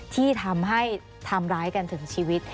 ที่ทำให้ทำร้ายกันถึงชีวิต